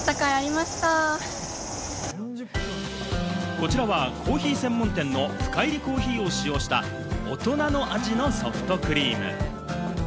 こちらはコーヒー専門店の深煎りコーヒーを使用した大人の味のソフトクリーム。